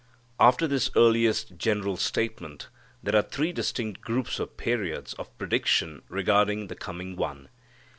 After this earliest general statement there are three distinct groups or periods of prediction regarding the coming One.